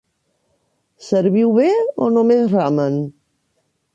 Serviu bé, o només ramen?